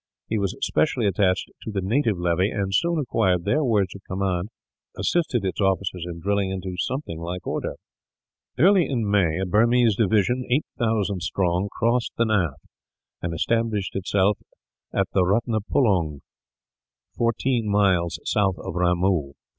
He was specially attached to the native levy and, soon acquiring their words of command, assisted its officers in drilling it into something like order. Early in May a Burmese division, 8000 strong, crossed the Naaf and established itself at Rutnapullung, fourteen miles south of Ramoo.